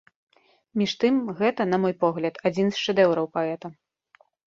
Між тым, гэта, на мой погляд, адзін з шэдэўраў паэта.